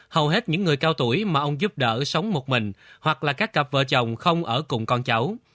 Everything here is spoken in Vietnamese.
hầu hết những người cao tuổi mà ông giúp đỡ sống một mình hoặc là các cặp vợ chồng không ở cùng con cháu